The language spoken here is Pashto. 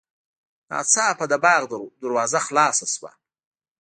ناڅاپه د باغ دروازه خلاصه شوه.